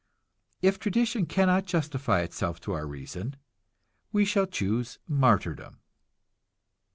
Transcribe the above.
If tradition cannot justify itself to our reason, we shall choose martyrdom.